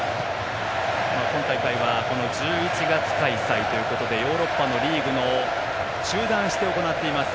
今大会は１１月開催ということでヨーロッパのリーグを中断して行っています。